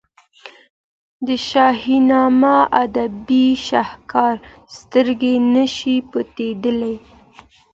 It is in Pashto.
د شاهنامې ادبي شهکار سترګې نه شي پټېدلای.